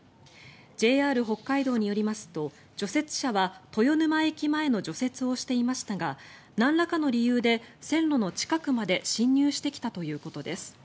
ＪＲ北海道によりますと除雪車は豊沼駅前の除雪をしていましたがなんらかの理由で線路の近くまで進入してきたということです。